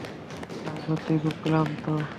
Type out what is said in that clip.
আমি সত্যিই খুব ক্লান্ত।